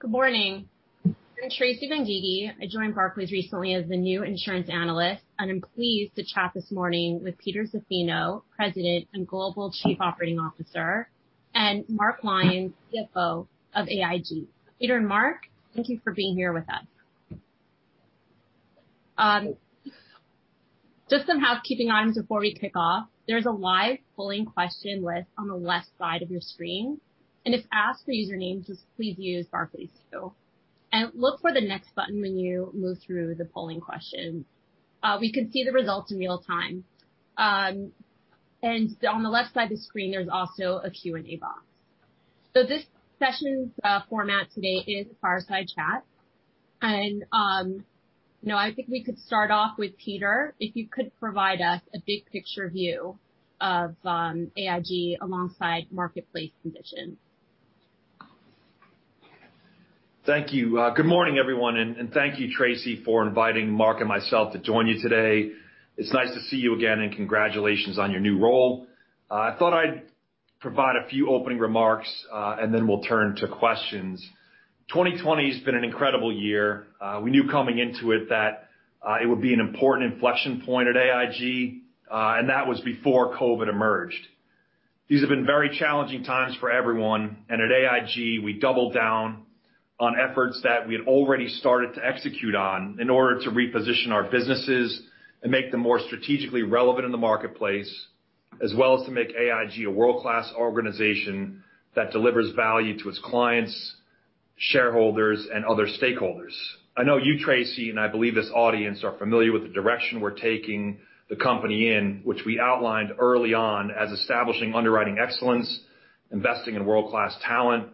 Good morning. I'm Tracy Benguigui. I joined Barclays recently as the new insurance analyst, and I'm pleased to chat this morning with Peter Zaffino, President and Global Chief Operating Officer, and Mark Lyons, CFO of AIG. Peter and Mark, thank you for being here with us. Just some housekeeping items before we kick off. There's a live polling question list on the left side of your screen. If asked for usernames, just please use Barclays. Look for the next button when you move through the polling question. We can see the results in real time. On the left side of the screen, there's also a Q&A box. This session's format today is Fireside Chat. I think we could start off with Peter, if you could provide us a big-picture view of AIG alongside marketplace conditions. Thank you. Good morning, everyone, and thank you, Tracy, for inviting Mark and myself to join you today. It's nice to see you again, and congratulations on your new role. I thought I'd provide a few opening remarks, and then we'll turn to questions. 2020's been an incredible year. We knew coming into it that it would be an important inflection point at AIG, and that was before COVID emerged. These have been very challenging times for everyone, and at AIG, we doubled down on efforts that we had already started to execute on in order to reposition our businesses and make them more strategically relevant in the marketplace, as well as to make AIG a world-class organization that delivers value to its clients, shareholders, and other stakeholders. I know you, Tracy, and I believe this audience are familiar with the direction we're taking the company in, which we outlined early on as establishing underwriting excellence, investing in world-class talent,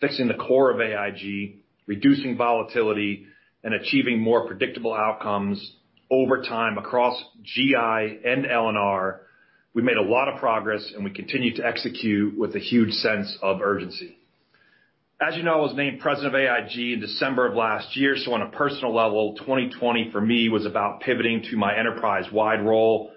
fixing the core of AIG, reducing volatility, and achieving more predictable outcomes over time across GI and L&R. We made a lot of progress, and we continue to execute with a huge sense of urgency. As you know, I was named President of AIG in December of last year. On a personal level, 2020 for me was about pivoting to my enterprise-wide role,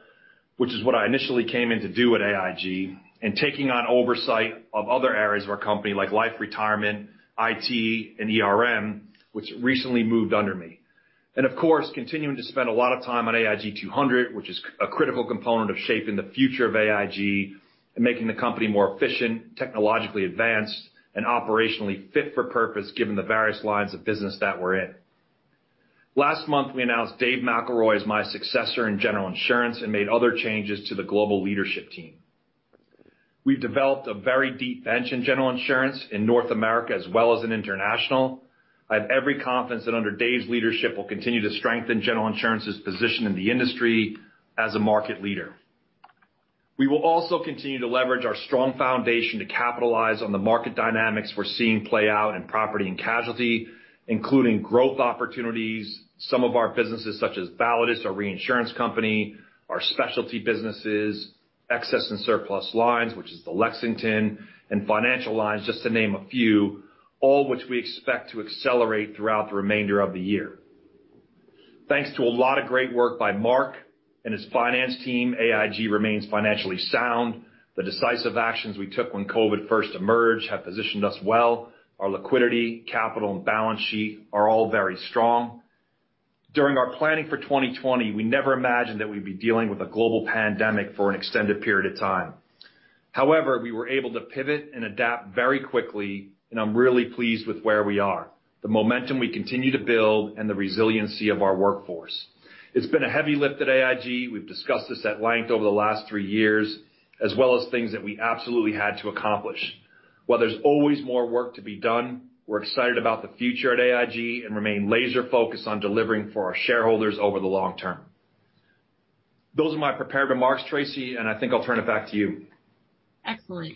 which is what I initially came in to do at AIG, and taking on oversight of other areas of our company like Life & Retirement, IT, and ERM, which recently moved under me. Of course, continuing to spend a lot of time on AIG 200, which is a critical component of shaping the future of AIG and making the company more efficient, technologically advanced, and operationally fit for purpose given the various lines of business that we're in. Last month, we announced David McElroy as my successor in General Insurance and made other changes to the global leadership team. We've developed a very deep bench in General Insurance in North America as well as in international. I have every confidence that under David's leadership, we'll continue to strengthen General Insurance's position in the industry as a market leader. We will also continue to leverage our strong foundation to capitalize on the market dynamics we're seeing play out in Property and Casualty, including growth opportunities. Some of our businesses, such as Validus, our reinsurance company, our specialty businesses, excess and surplus lines, which is Lexington, and financial lines, just to name a few, all which we expect to accelerate throughout the remainder of the year. Thanks to a lot of great work by Mark and his finance team, AIG remains financially sound. The decisive actions we took when COVID first emerged have positioned us well. Our liquidity, capital, and balance sheet are all very strong. During our planning for 2020, we never imagined that we'd be dealing with a global pandemic for an extended period of time. However, we were able to pivot and adapt very quickly, and I'm really pleased with where we are, the momentum we continue to build, and the resiliency of our workforce. It's been a heavy lift at AIG. We've discussed this at length over the last three years, as well as things that we absolutely had to accomplish. While there's always more work to be done, we're excited about the future at AIG and remain laser-focused on delivering for our shareholders over the long term. Those are my prepared remarks, Tracy, I think I'll turn it back to you. Excellent.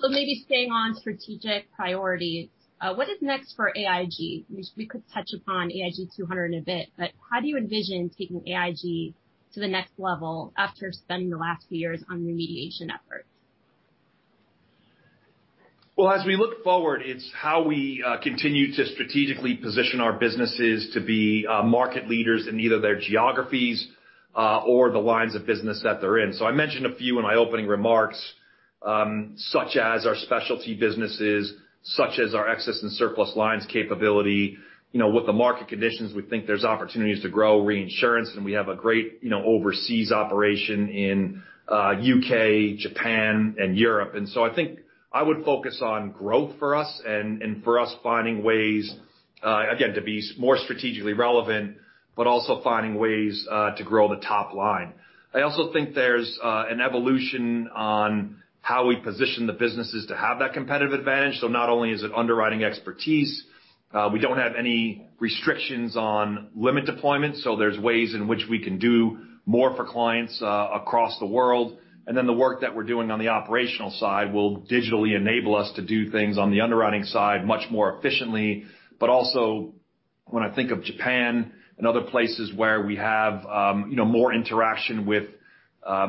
Maybe staying on strategic priorities, what is next for AIG? We could touch upon AIG 200 in a bit, how do you envision taking AIG to the next level after spending the last few years on remediation efforts? Well, as we look forward, it's how we continue to strategically position our businesses to be market leaders in either their geographies, or the lines of business that they're in. I mentioned a few in my opening remarks, such as our specialty businesses, such as our excess and surplus lines capability. With the market conditions, we think there's opportunities to grow reinsurance, and we have a great overseas operation in U.K., Japan, and Europe. I think I would focus on growth for us and for us finding ways, again, to be more strategically relevant, but also finding ways to grow the top line. I also think there's an evolution on how we position the businesses to have that competitive advantage. Not only is it underwriting expertise, we don't have any restrictions on limit deployment, there's ways in which we can do more for clients across the world. The work that we're doing on the operational side will digitally enable us to do things on the underwriting side much more efficiently. When I think of Japan and other places where we have more interaction with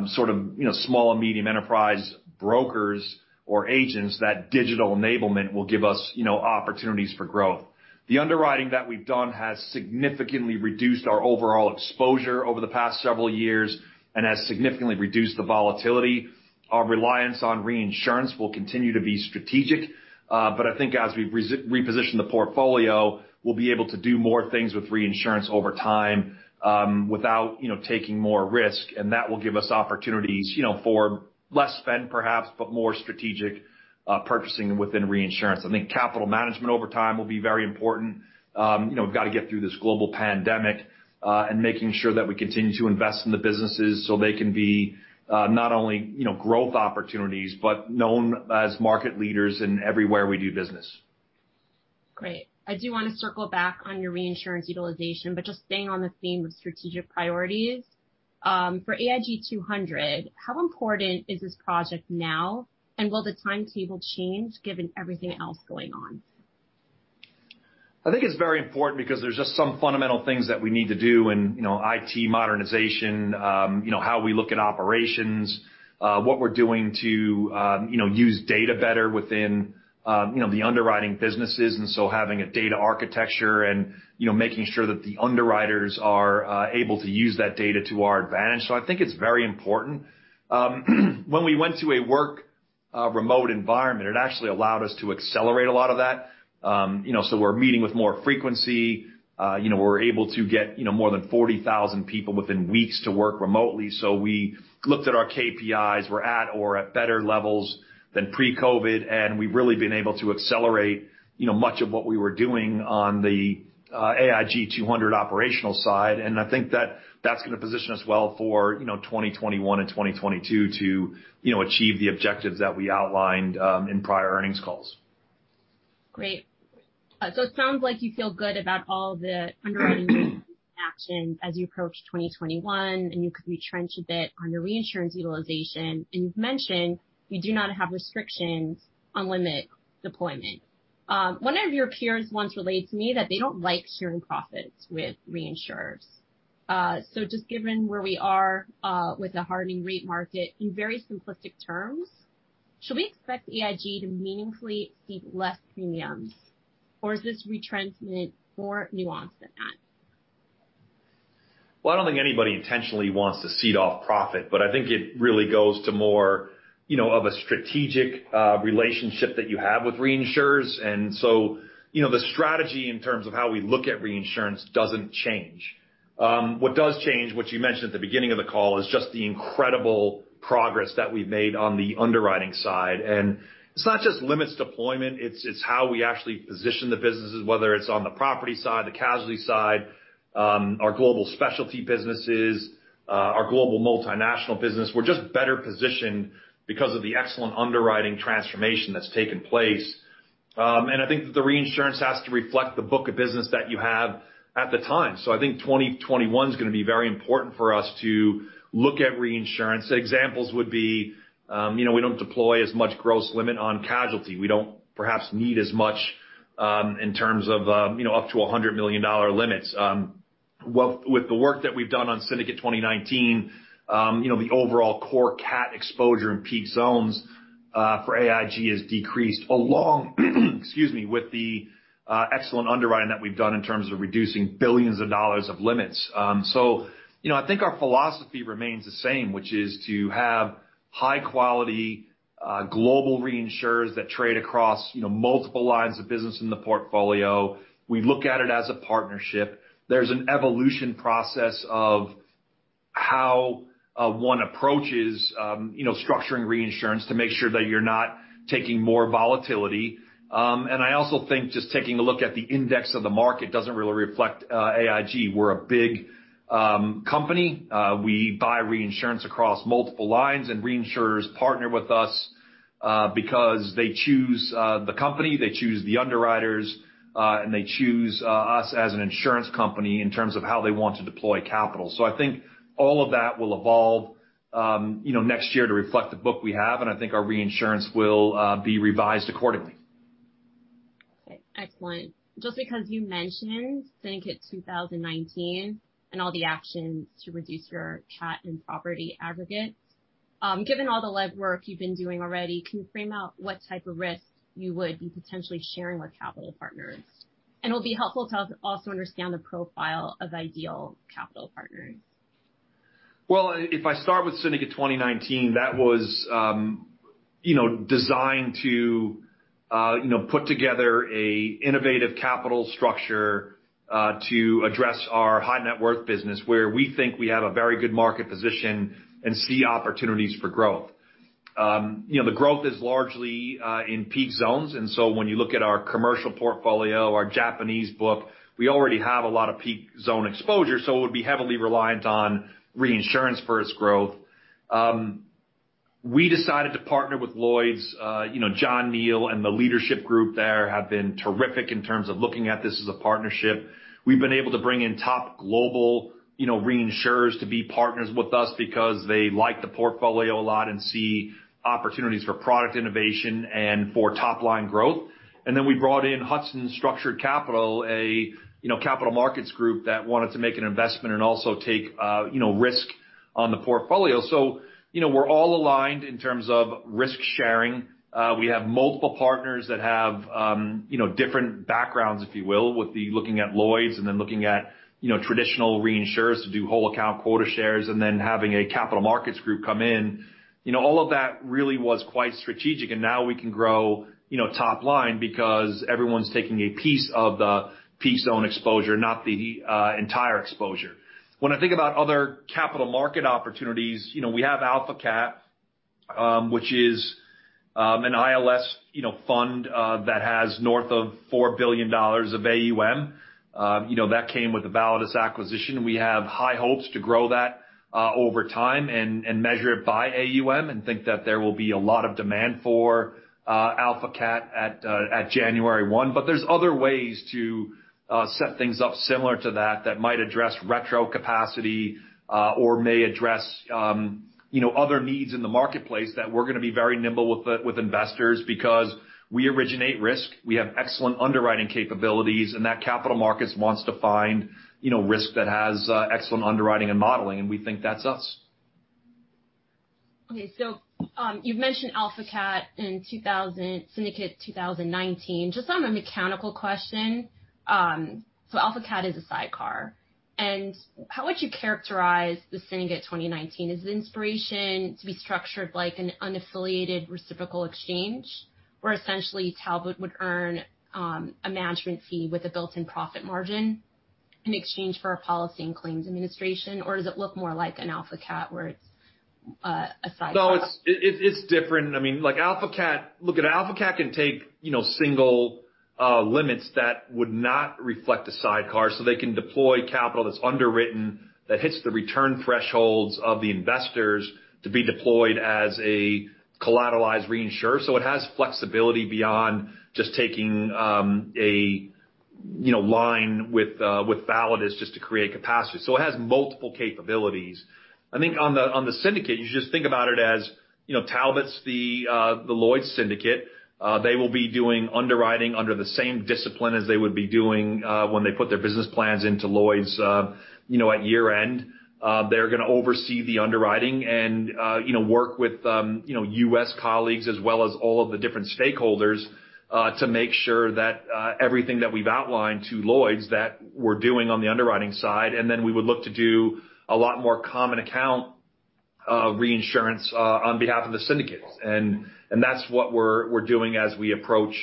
small and medium enterprise brokers or agents, that digital enablement will give us opportunities for growth. The underwriting that we've done has significantly reduced our overall exposure over the past several years and has significantly reduced the volatility. Our reliance on reinsurance will continue to be strategic. I think as we reposition the portfolio, we'll be able to do more things with reinsurance over time without taking more risk, that will give us opportunities for less spend perhaps, but more strategic purchasing within reinsurance. I think capital management over time will be very important. We've got to get through this global pandemic and making sure that we continue to invest in the businesses so they can be not only growth opportunities, but known as market leaders in everywhere we do business. Great. I do want to circle back on your reinsurance utilization, just staying on the theme of strategic priorities. For AIG 200, how important is this project now, will the timetable change given everything else going on? I think it's very important because there's just some fundamental things that we need to do in IT modernization, how we look at operations, what we're doing to use data better within the underwriting businesses. Having a data architecture and making sure that the underwriters are able to use that data to our advantage. I think it's very important. When we went to a work remote environment, it actually allowed us to accelerate a lot of that. We're meeting with more frequency. We're able to get more than 40,000 people within weeks to work remotely. We looked at our KPIs, we're at or at better levels than pre-COVID, and we've really been able to accelerate much of what we were doing on the AIG 200 operational side. I think that's going to position us well for 2021 and 2022 to achieve the objectives that we outlined in prior earnings calls. Great. It sounds like you feel good about all the underwriting actions as you approach 2021, you could retrench a bit on your reinsurance utilization. You've mentioned you do not have restrictions on limit deployment. One of your peers once relayed to me that they don't like sharing profits with reinsurers. Just given where we are with the hardening rate market, in very simplistic terms, should we expect AIG to meaningfully cede less premiums, or is this retrenchment more nuanced than that? Well, I don't think anybody intentionally wants to cede off profit, but I think it really goes to more of a strategic relationship that you have with reinsurers. The strategy in terms of how we look at reinsurance doesn't change. What does change, which you mentioned at the beginning of the call, is just the incredible progress that we've made on the underwriting side. It's not just limits deployment, it's how we actually position the businesses, whether it's on the property side, the casualty side, our global specialty businesses, our global multinational business. We're just better positioned because of the excellent underwriting transformation that's taken place. I think that the reinsurance has to reflect the book of business that you have at the time. I think 2021 is going to be very important for us to look at reinsurance. Examples would be, we don't deploy as much gross limit on casualty. We don't perhaps need as much in terms of up to $100 million limits. With the work that we've done on Syndicate 2019, the overall core cat exposure in peak zones for AIG has decreased along with the excellent underwriting that we've done in terms of reducing $ billions of limits. I think our philosophy remains the same, which is to have high quality global reinsurers that trade across multiple lines of business in the portfolio. We look at it as a partnership. There's an evolution process of how one approaches structuring reinsurance to make sure that you're not taking more volatility. I also think just taking a look at the index of the market doesn't really reflect AIG. We're a big company. We buy reinsurance across multiple lines. Reinsurers partner with us because they choose the company, they choose the underwriters, and they choose us as an insurance company in terms of how they want to deploy capital. I think all of that will evolve next year to reflect the book we have, and I think our reinsurance will be revised accordingly. Okay. Excellent. Just because you mentioned Syndicate 2019 and all the actions to reduce your cat and property aggregates. Given all the legwork you've been doing already, can you frame out what type of risks you would be potentially sharing with capital partners? It'll be helpful to also understand the profile of ideal capital partners. Well, if I start with Syndicate 2019, that was designed to put together an innovative capital structure to address our high net worth business where we think we have a very good market position and see opportunities for growth. The growth is largely in peak zones. When you look at our commercial portfolio, our Japanese book, we already have a lot of peak zone exposure, it would be heavily reliant on reinsurance for its growth. We decided to partner with Lloyd's. John Neal and the leadership group there have been terrific in terms of looking at this as a partnership. We've been able to bring in top global reinsurers to be partners with us because they like the portfolio a lot and see opportunities for product innovation and for top-line growth. We brought in Hudson Structured Capital, a capital markets group that wanted to make an investment and also take risk on the portfolio. We're all aligned in terms of risk-sharing. We have multiple partners that have different backgrounds, if you will, with the looking at Lloyd's, looking at traditional reinsurers to do whole account quota shares, having a capital markets group come in. All of that really was quite strategic. Now we can grow top line because everyone's taking a piece of the peak zone exposure, not the entire exposure. When I think about other capital market opportunities, we have AlphaCat, which is an ILS fund that has north of $4 billion of AUM. That came with the Validus acquisition. We have high hopes to grow that over time and measure it by AUM and think that there will be a lot of demand for AlphaCat at January 1. There's other ways to set things up similar to that that might address retro capacity or may address other needs in the marketplace that we're going to be very nimble with investors because we originate risk, we have excellent underwriting capabilities, and that capital markets wants to find risk that has excellent underwriting and modeling. We think that's us. Okay. You've mentioned AlphaCat and Syndicate 2019. Just on a mechanical question, AlphaCat is a sidecar. How would you characterize the Syndicate 2019? Is the inspiration to be structured like an unaffiliated reciprocal exchange where essentially Talbot would earn a management fee with a built-in profit margin in exchange for a policy and claims administration? Or does it look more like an AlphaCat where it's a sidecar? No, it's different. Look at AlphaCat can take single limits that would not reflect a sidecar, so they can deploy capital that's underwritten, that hits the return thresholds of the investors to be deployed as a collateralized reinsurer. It has flexibility beyond just taking a line with Validus just to create capacity. It has multiple capabilities. I think on the syndicate, you should just think about it as Talbot's the Lloyd's Syndicate. They will be doing underwriting under the same discipline as they would be doing when they put their business plans into Lloyd's at year-end. They're going to oversee the underwriting and work with U.S. colleagues as well as all of the different stakeholders, to make sure that everything that we've outlined to Lloyd's, that we're doing on the underwriting side, then we would look to do a lot more common account reinsurance on behalf of the syndicates. That's what we're doing as we approach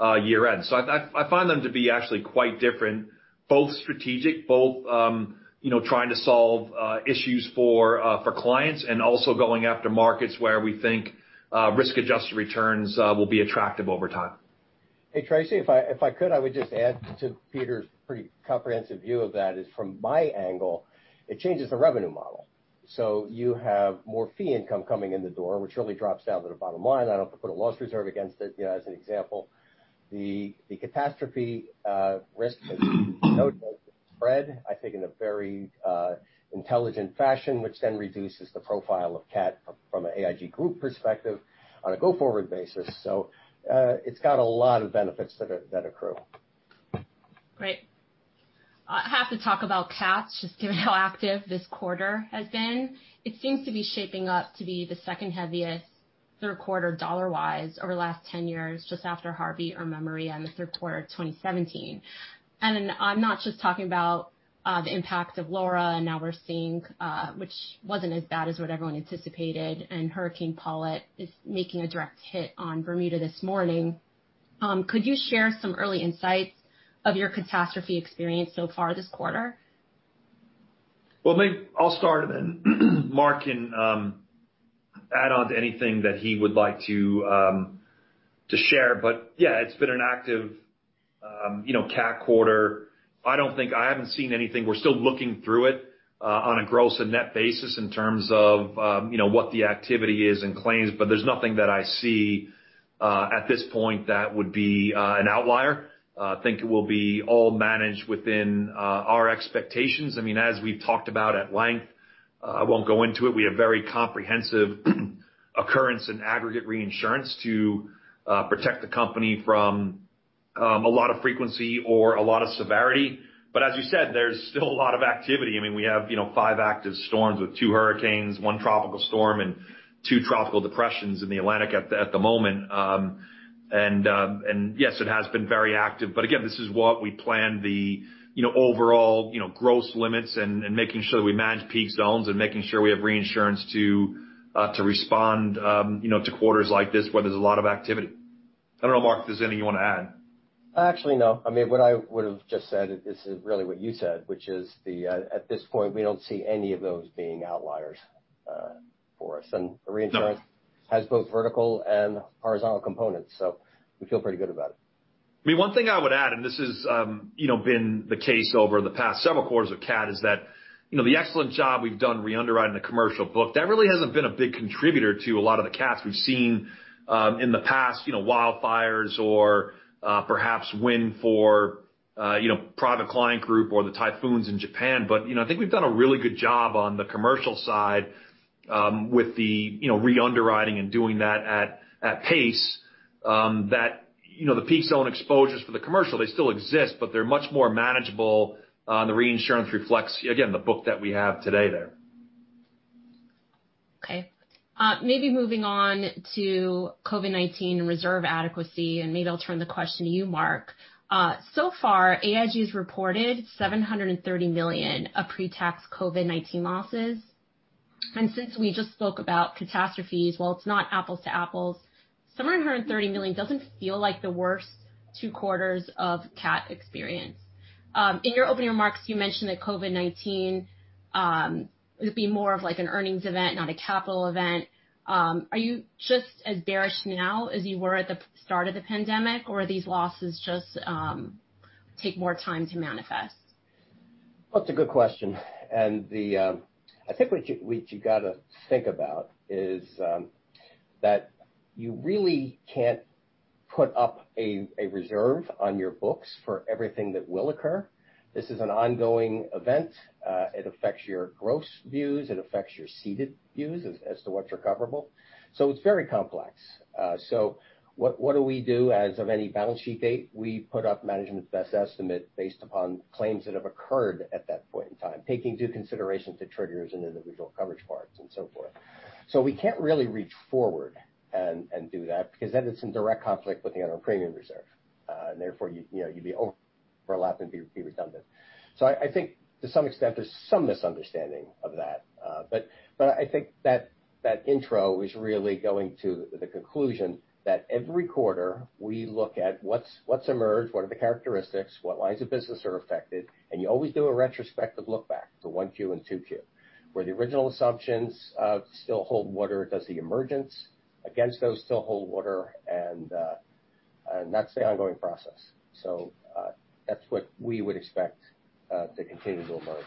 year-end. I find them to be actually quite different, both strategic, both trying to solve issues for clients and also going after markets where we think risk-adjusted returns will be attractive over time. Hey, Tracy, if I could, I would just add to Peter's pretty comprehensive view of that is from my angle, it changes the revenue model. You have more fee income coming in the door, which really drops down to the bottom line. I don't have to put a loss reserve against it, as an example. The catastrophe risk spread, I think in a very intelligent fashion, which then reduces the profile of cat from an AIG group perspective on a go-forward basis. It's got a lot of benefits that accrue. Great. I have to talk about cats, just given how active this quarter has been. It seems to be shaping up to be the second heaviest third quarter dollar-wise over the last 10 years, just after Hurricane Harvey or Hurricane Maria in the third quarter of 2017. I'm not just talking about the impact of Hurricane Laura, and now we're seeing, which wasn't as bad as what everyone anticipated, and Hurricane Paulette is making a direct hit on Bermuda this morning. Could you share some early insights of your catastrophe experience so far this quarter? Well, maybe I'll start and then Mark can add on to anything that he would like to share. Yeah, it's been an active cat quarter. I haven't seen anything. We're still looking through it on a gross and net basis in terms of what the activity is in claims, but there's nothing that I see at this point that would be an outlier. I think it will be all managed within our expectations. As we've talked about at length, I won't go into it, we have very comprehensive occurrence and aggregate reinsurance to protect the company from a lot of frequency or a lot of severity. As you said, there's still a lot of activity. We have five active storms with two hurricanes, one tropical storm, and two tropical depressions in the Atlantic at the moment. Yes, it has been very active, again, this is what we planned the overall gross limits and making sure that we manage peak zones and making sure we have reinsurance to respond to quarters like this where there's a lot of activity. I don't know, Mark, if there's anything you want to add. Actually, no. What I would've just said is really what you said, which is at this point, we don't see any of those being outliers for us. Reinsurance has both vertical and horizontal components, so we feel pretty good about it. One thing I would add, this has been the case over the past several quarters of cat, is that the excellent job we've done re-underwriting the commercial book, that really hasn't been a big contributor to a lot of the cats we've seen in the past, wildfires or perhaps wind for Private Client Group or the typhoons in Japan. I think we've done a really good job on the commercial side with the re-underwriting and doing that at pace, that the peak zone exposures for the commercial, they still exist, but they're much more manageable, the reinsurance reflects, again, the book that we have today there. Okay. Maybe moving on to COVID-19 reserve adequacy, maybe I'll turn the question to you, Mark. So far, AIG has reported $730 million of pre-tax COVID-19 losses. Since we just spoke about catastrophes, while it's not apples to apples, $730 million doesn't feel like the worst 2 quarters of cat experience. In your opening remarks, you mentioned that COVID-19 would be more of an earnings event, not a capital event. Are you just as bearish now as you were at the start of the pandemic, or are these losses just take more time to manifest? Well, it's a good question, I think what you got to think about is that you really can't put up a reserve on your books for everything that will occur. This is an ongoing event. It affects your gross views. It affects your ceded views as to what's recoverable. It's very complex. What do we do as of any balance sheet date? We put up management's best estimate based upon claims that have occurred at that point in time, taking due consideration to triggers and individual coverage parts, and so forth. We can't really reach forward and do that, because then it's in direct conflict with the other premium reserve. Therefore, you'd be overlapping, be redundant. I think to some extent, there's some misunderstanding of that. I think that intro is really going to the conclusion that every quarter, we look at what's emerged, what are the characteristics, what lines of business are affected, and you always do a retrospective look back to one Q and two Q, where the original assumptions still hold water. Does the emergence against those still hold water? That's the ongoing process. That's what we would expect to continue to emerge.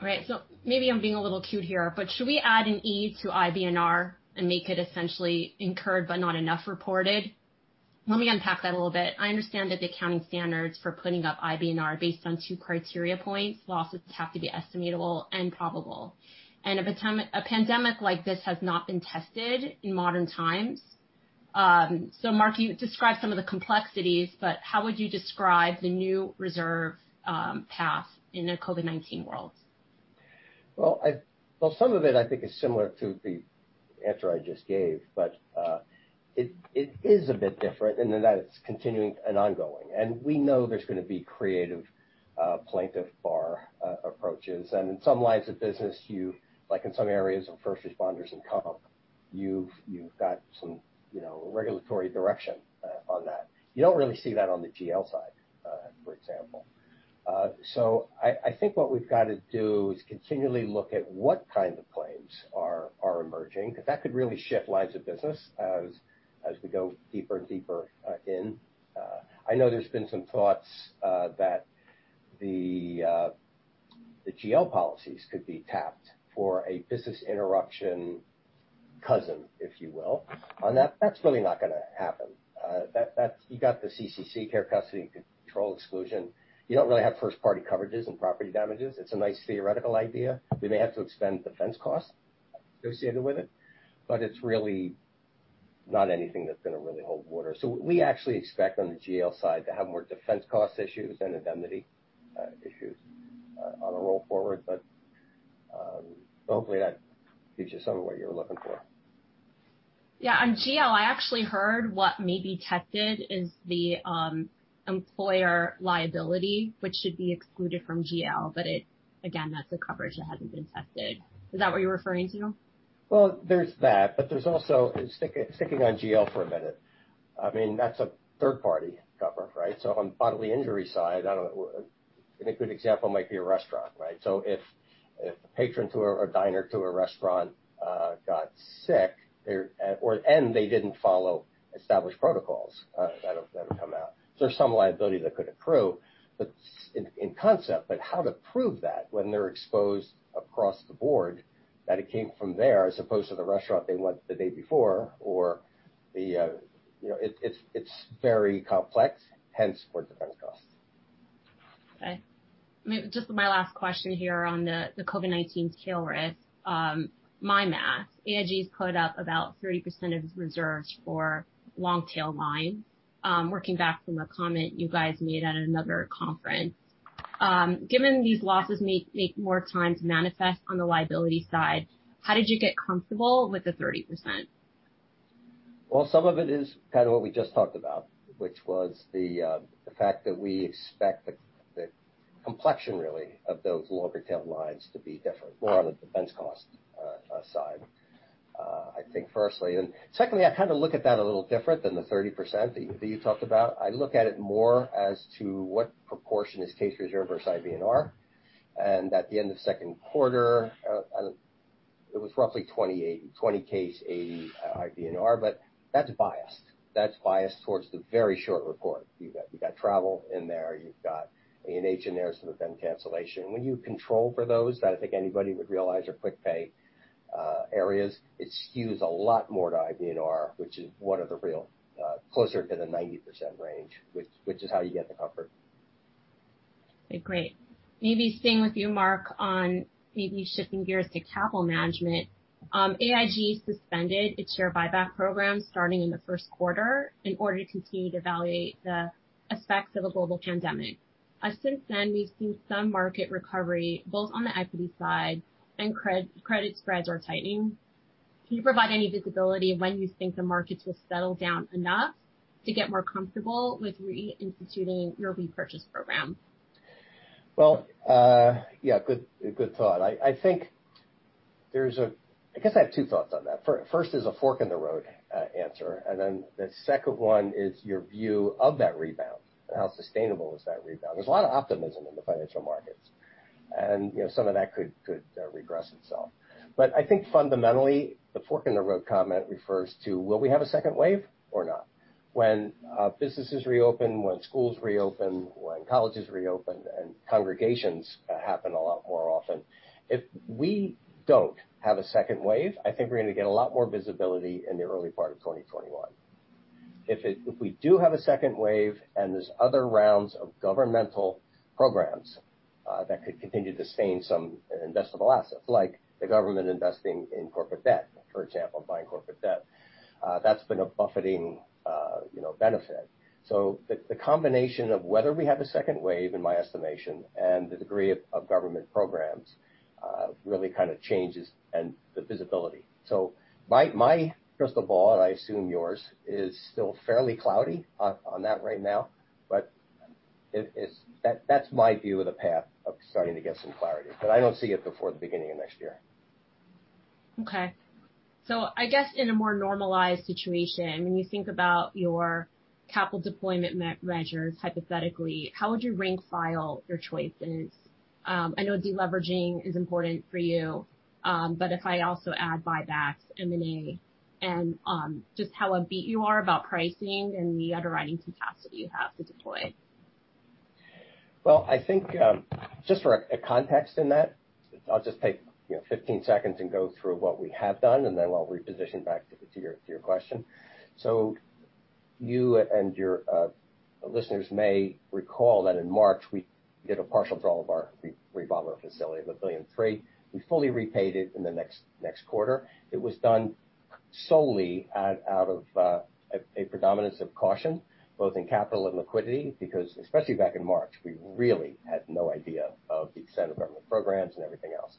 All right. Maybe I'm being a little cute here, but should we add an E to IBNR and make it essentially incurred but not enough reported? Let me unpack that a little bit. I understand that the accounting standards for putting up IBNR are based on two criteria points, losses have to be estimatable and probable. A pandemic like this has not been tested in modern times. Mark, you described some of the complexities, but how would you describe the new reserve path in a COVID-19 world? Well, some of it I think is similar to the answer I just gave, but it is a bit different in that it's continuing and ongoing. We know there's going to be creative plaintiff bar approaches. In some lines of business, like in some areas of first responders and comp, you've got some regulatory direction on that. You don't really see that on the GL side, for example. I think what we've got to do is continually look at what kind of claims are emerging, because that could really shift lines of business as we go deeper and deeper in. I know there's been some thoughts that the GL policies could be tapped for a business interruption cousin, if you will, on that. That's really not going to happen. You got the CCC, care, custody, and control exclusion. You don't really have first-party coverages and property damages. It's a nice theoretical idea. We may have to expend defense costs associated with it, but it's really not anything that's going to really hold water. We actually expect on the GL side to have more defense cost issues than indemnity issues on a roll forward. Hopefully that gives you some of what you're looking for. Yeah, on GL, I actually heard what may be tested is the employer liability, which should be excluded from GL. Again, that's a coverage that hasn't been tested. Is that what you're referring to? Well, there's that, there's also, sticking on GL for a minute. That's a third-party cover, right? On the bodily injury side, a good example might be a restaurant, right? If a patron to a diner, to a restaurant got sick and they didn't follow established protocols that'll come out. There's some liability that could accrue in concept, how to prove that when they're exposed across the board that it came from there as opposed to the restaurant they went the day before. It's very complex, hence more defense costs. Okay. Just my last question here on the COVID-19 tail risk. My math, AIG's put up about 30% of its reserves for long-tail lines, working back from a comment you guys made at another conference. Given these losses may take more time to manifest on the liability side, how did you get comfortable with the 30%? Well, some of it is kind of what we just talked about, which was the fact that we expect the complexion really of those longer tail lines to be different, more on the defense cost side, I think firstly. Secondly, I kind of look at that a little different than the 30% that you talked about. I look at it more as to what proportion is case reserve versus IBNR. At the end of second quarter, it was roughly 20/80, 20 case, 80 IBNR, but that's biased. That's biased towards the very short report. You've got travel in there, you've got A&H in there, some event cancellation. When you control for those that I think anybody would realize are quick pay areas, it skews a lot more to IBNR, which is one of the real closer to the 90% range, which is how you get the comfort. Okay, great. Staying with you, Mark Lyons, on shifting gears to capital management. AIG suspended its share buyback program starting in the first quarter in order to continue to evaluate the effects of a global pandemic. Since then, we've seen some market recovery, both on the equity side and credit spreads are tightening. Can you provide any visibility when you think the markets will settle down enough to get more comfortable with reinstituting your repurchase program? Well, yeah, good thought. I guess I have two thoughts on that. First is a fork-in-the-road answer. Then the second one is your view of that rebound and how sustainable is that rebound. There's a lot of optimism in the financial markets, some of that could regress itself. I think fundamentally, the fork-in-the-road comment refers to will we have a second wave or not? When businesses reopen, when schools reopen, when colleges reopen, congregations happen a lot more often. If we don't have a second wave, I think we're going to get a lot more visibility in the early part of 2021. If we do have a second wave and there's other rounds of governmental programs that could continue to sustain some investable assets, like the government investing in corporate debt, for example, buying corporate debt. That's been a buffering benefit. The combination of whether we have a second wave, in my estimation, and the degree of government programs really kind of changes and the visibility. My crystal ball, and I assume yours, is still fairly cloudy on that right now, but that's my view of the path of starting to get some clarity. I don't see it before the beginning of next year. Okay. I guess in a more normalized situation, when you think about your capital deployment measures, hypothetically, how would you rank file your choices? I know de-leveraging is important for you, but if I also add buybacks, M&A, and just how upbeat you are about pricing and the underwriting capacity you have to deploy. I think, just for context in that, I'll just take 15 seconds and go through what we have done, then I'll reposition back to your question. You and your listeners may recall that in March, we did a partial draw of our revolving facility of $1.3 billion. We fully repaid it in the next quarter. It was done solely out of a predominance of caution, both in capital and liquidity, because especially back in March, we really had no idea of the extent of government programs and everything else.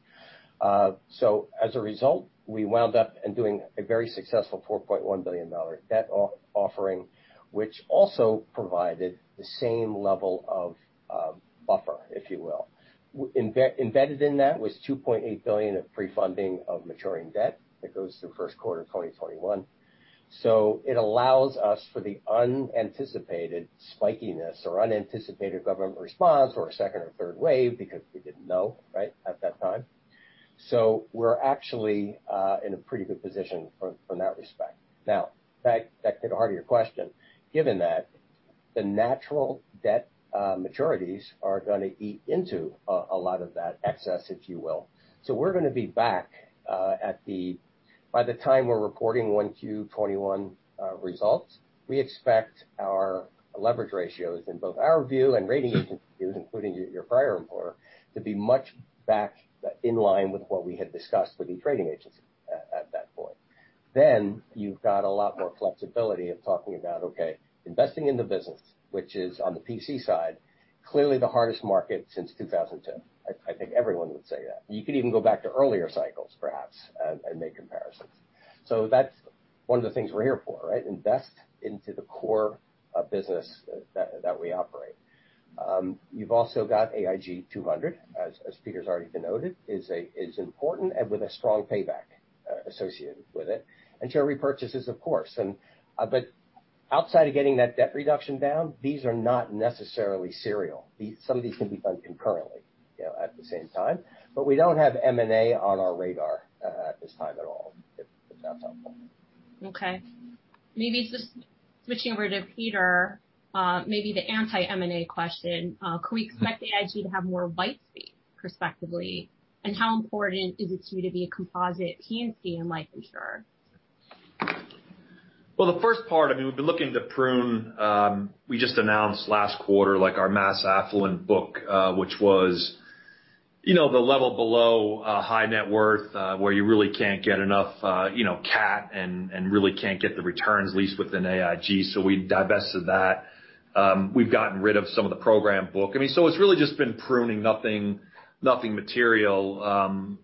As a result, we wound up doing a very successful $4.1 billion debt offering, which also provided the same level of buffer, if you will. Embedded in that was $2.8 billion of pre-funding of maturing debt that goes through first quarter 2021. It allows us for the unanticipated spikiness or unanticipated government response or a second or third wave because we didn't know, right, at that time. We're actually in a pretty good position from that respect. Back to the heart of your question, given that the natural debt maturities are going to eat into a lot of that excess, if you will. We're going to be back by the time we're reporting 1Q 2021 results. We expect our leverage ratios in both our view and rating agency views, including your prior employer, to be much back in line with what we had discussed with the trading agency at that point. You've got a lot more flexibility of talking about, okay, investing in the business, which is on the PC side, clearly the hardest market since 2010. I think everyone would say that. You could even go back to earlier cycles, perhaps, and make comparisons. That's one of the things we're here for, right? Invest into the core business that we operate. You've also got AIG 200, as Peter's already denoted, is important and with a strong payback associated with it. Share repurchases, of course. Outside of getting that debt reduction down, these are not necessarily serial. Some of these can be done concurrently, at the same time. We don't have M&A on our radar at this time at all, if that's helpful. Maybe just switching over to Peter, maybe the anti-M&A question. Could we expect AIG to have more buy-side prospectively, and how important is it to you to be a composite P&C and life insurer? The first part, we've been looking to prune. We just announced last quarter, our mass affluent book, which was the level below a high net worth, where you really can't get enough cat and really can't get the returns, at least within AIG, so we divested that. We've gotten rid of some of the program book. It's really just been pruning, nothing material. On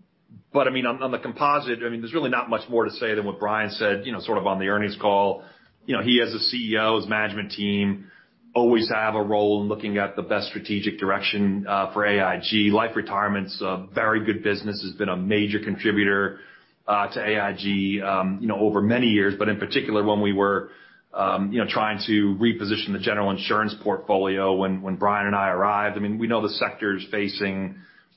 the composite, there's really not much more to say than what Brian said on the earnings call. He as the CEO, his management team always have a role in looking at the best strategic direction for AIG. Life Retirement's a very good business, has been a major contributor to AIG over many years, but in particular when we were trying to reposition the General Insurance portfolio when Brian and I arrived. We know the sector's facing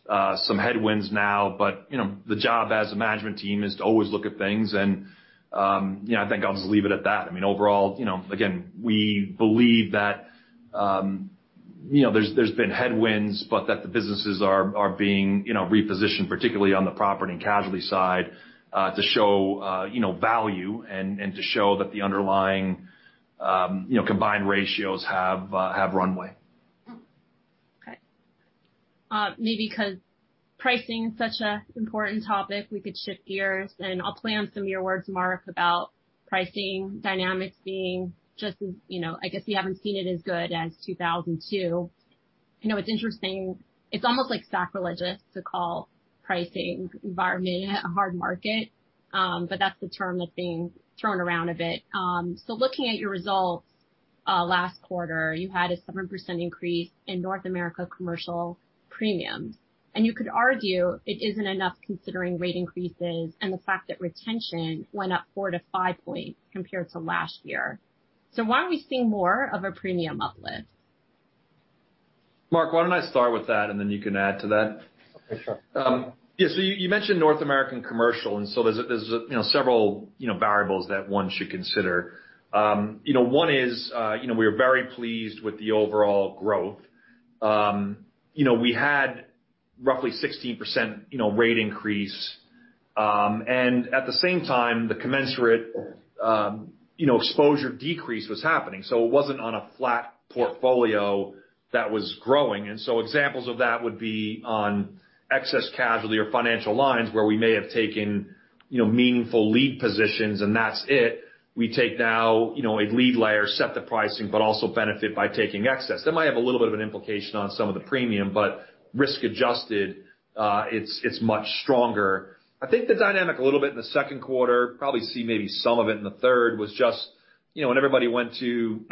some headwinds now, the job as a management team is to always look at things and I think I'll just leave it at that. Overall, again, we believe that there's been headwinds, but that the businesses are being repositioned, particularly on the property and casualty side, to show value and to show that the underlying combined ratios have runway. Okay. Maybe because pricing is such an important topic, we could shift gears, and I'll play on some of your words, Mark, about pricing dynamics being just as, I guess we haven't seen it as good as 2002. It's interesting. It's almost sacrilegious to call pricing environment a hard market. That's the term that's being thrown around a bit. Looking at your results, last quarter, you had a 7% increase in North America Commercial premiums. You could argue it isn't enough considering rate increases and the fact that retention went up 4-5 points compared to last year. Why aren't we seeing more of a premium uplift? Mark, why don't I start with that, then you can add to that. For sure. Yeah. You mentioned North America Commercial, there's several variables that one should consider. One is we are very pleased with the overall growth. We had roughly 16% rate increase. At the same time, the commensurate exposure decrease was happening. It wasn't on a flat portfolio that was growing. Examples of that would be on excess casualty or financial lines where we may have taken meaningful lead positions, and that's it. We take now a lead layer, set the pricing, but also benefit by taking excess. That might have a little bit of an implication on some of the premium, but risk-adjusted, it's much stronger. I think the dynamic a little bit in the second quarter, probably see maybe some of it in the third, was just when everybody went to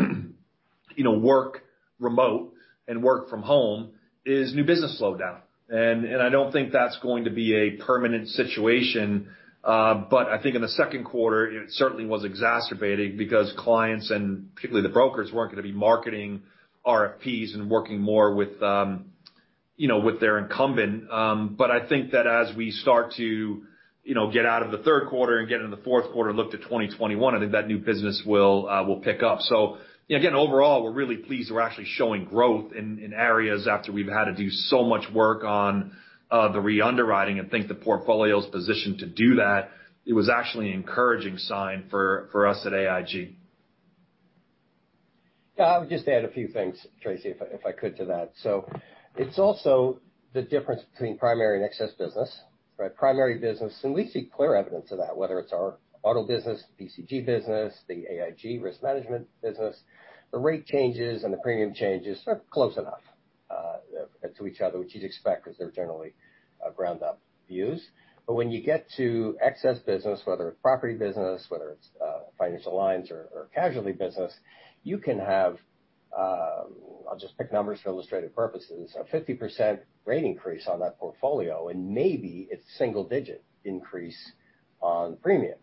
work remote and work from home, is new business slowed down. I don't think that's going to be a permanent situation. I think in the second quarter, it certainly was exacerbating because clients, and particularly the brokers, weren't going to be marketing RFP and working more with their incumbent. I think that as we start to get out of the third quarter and get into the fourth quarter, look to 2021, I think that new business will pick up. Again, overall, we're really pleased we're actually showing growth in areas after we've had to do so much work on the re-underwriting. Think the portfolio's positioned to do that. It was actually an encouraging sign for us at AIG. Yeah, I would just add a few things, Tracy, if I could, to that. It's also the difference between primary and excess business, right? Primary business, we see clear evidence of that, whether it's our auto business, BCG business, the AIG risk management business, the rate changes and the premium changes are close enough to each other, which you'd expect because they're generally ground-up views. When you get to excess business, whether it's property business, whether it's financial lines or casualty business, you can have, I'll just pick numbers for illustrative purposes, a 50% rate increase on that portfolio, maybe it's single-digit increase on premium.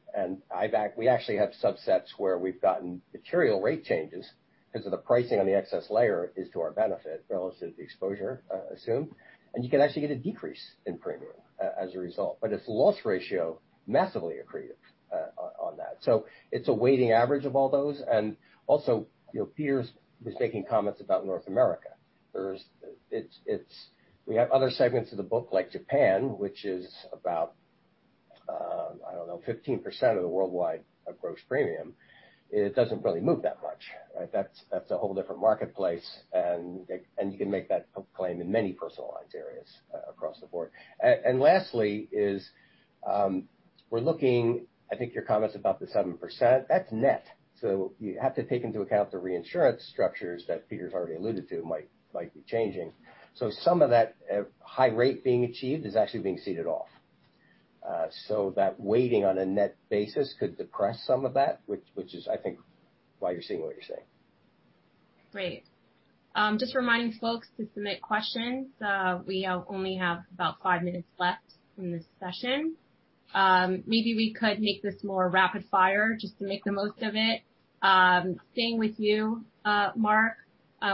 We actually have subsets where we've gotten material rate changes because of the pricing on the excess layer is to our benefit relative to the exposure, assume. You can actually get a decrease in premium as a result. Its loss ratio massively accreted on that. It's a weighting average of all those. Also, Peter was making comments about North America. We have other segments of the book, like Japan, which is about, I don't know, 15% of the worldwide gross premium. It doesn't really move that much, right? That's a whole different marketplace, and you can make that claim in many personal lines areas across the board. Lastly is, we're looking, I think your comment's about the 7%, that's net. You have to take into account the reinsurance structures that Peter's already alluded to might be changing. Some of that high rate being achieved is actually being ceded off. That weighting on a net basis could depress some of that, which is, I think, why you're seeing what you're seeing. Great. Just reminding folks to submit questions. We only have about five minutes left in this session. Maybe we could make this more rapid-fire just to make the most of it. Staying with you, Mark,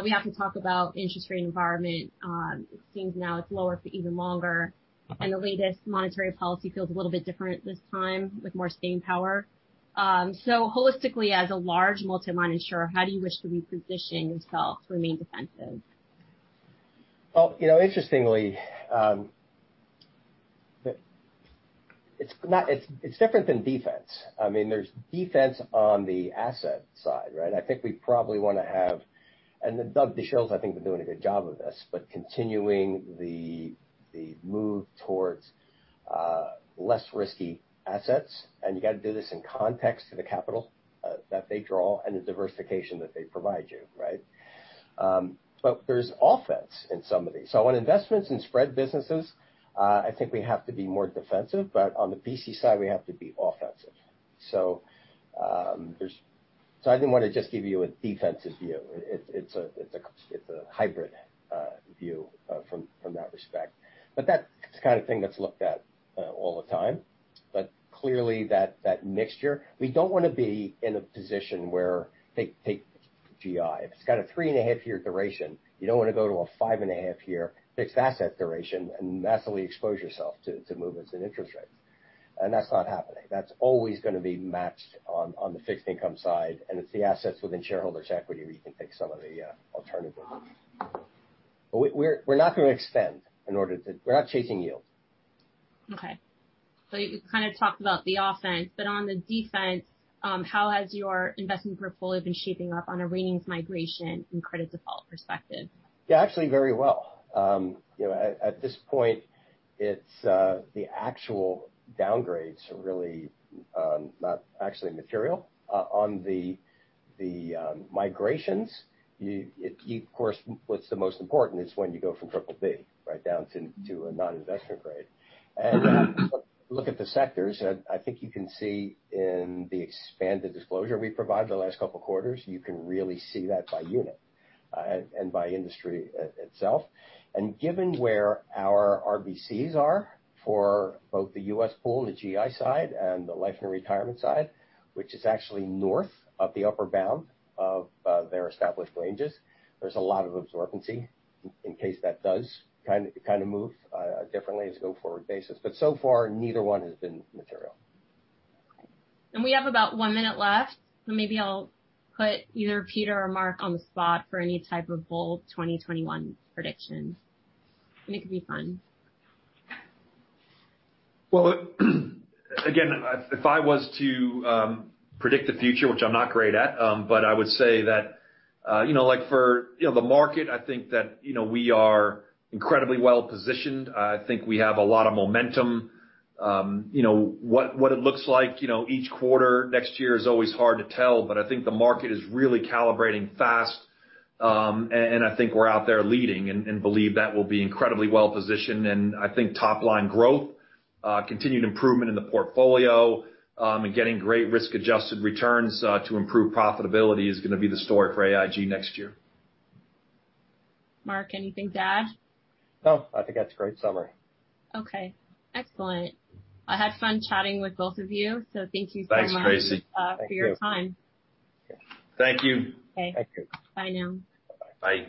we have to talk about interest rate environment. It seems now it's lower for even longer. The latest monetary policy feels a little bit different this time with more staying power. Holistically, as a large multi-line insurer, how do you wish to be positioning yourself to remain defensive? Well, interestingly, it's different than defense. There's defense on the asset side, right? I think we probably want to have, and Doug Dachille I think has been doing a good job of this, continuing the move towards less risky assets, and you got to do this in context to the capital that they draw and the diversification that they provide you, right? There's offense in some of these. On investments and spread businesses, I think we have to be more defensive, but on the P&C side, we have to be offensive. I didn't want to just give you a defensive view. It's a hybrid view from that respect. That's the kind of thing that's looked at all the time. Clearly, that mixture, we don't want to be in a position where, take GI. If it's got a three-and-a-half-year duration, you don't want to go to a five-and-a-half year fixed asset duration and massively expose yourself to movements in interest rates. That's not happening. That's always going to be matched on the fixed income side, and it's the assets within shareholders' equity where you can take some of the alternatives. We're not going to extend. We're not chasing yield. Okay. You kind of talked about the offense, but on the defense, how has your investment portfolio been shaping up on a ratings migration and credit default perspective? Yeah, actually very well. At this point, the actual downgrades are really not actually material. On the migrations, of course, what's the most important is when you go from triple B right down to a non-investment grade. Look at the sectors, I think you can see in the expanded disclosure we provided the last couple of quarters, you can really see that by unit and by industry itself. Given where our RBCs are for both the U.S. pool, the GI side, and the life and retirement side, which is actually north of the upper bound of their established ranges, there's a lot of absorbency in case that does kind of move differently as a go-forward basis. So far, neither one has been material. We have about one minute left. Maybe I'll put either Peter or Mark on the spot for any type of bold 2021 predictions. It could be fun. Well, again, if I was to predict the future, which I'm not great at, but I would say that for the market, I think that we are incredibly well-positioned. I think we have a lot of momentum. What it looks like each quarter next year is always hard to tell, but I think the market is really calibrating fast. I think we're out there leading and believe that we'll be incredibly well-positioned. I think top-line growth, continued improvement in the portfolio, and getting great risk-adjusted returns to improve profitability is going to be the story for AIG next year. Mark, anything to add? No, I think that's a great summary. Okay. Excellent. I had fun chatting with both of you. Thank you so much. Thanks, Tracy. Thank you for your time. Thank you. Okay. Thank you. Bye now. Bye.